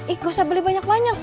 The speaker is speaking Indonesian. ih gak usah beli banyak banyak